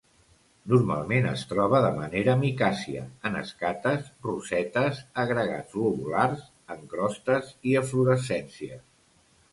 Normalment es troba de manera micàcia, en escates, rosetes, agregats globulars, en crostes i eflorescències.